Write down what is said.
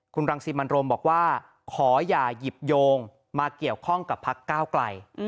คุณรังสิมันโรมบอกว่าขออย่าหยิบโยงมาเกี่ยวข้องกับพักก้าวไกล